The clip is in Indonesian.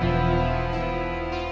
katanya ini maksudnya berita